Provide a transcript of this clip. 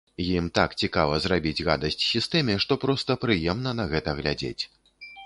Ім так цікава зрабіць гадасць сістэме, што проста прыемна на гэта глядзець.